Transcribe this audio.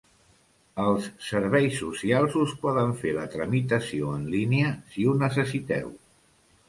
Els serveis socials us poden fer la tramitació en línia si ho necessiteu.